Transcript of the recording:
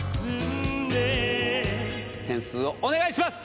点数をお願いします！